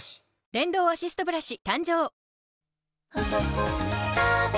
電動アシストブラシ誕生！